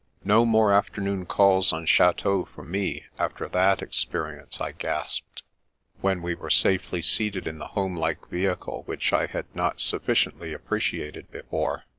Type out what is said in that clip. " No more afternoon calls on chateaux for me, after that experience," I gasped, when we were safely seated in the homelike vehicle which I had not sufficiently appreciated before.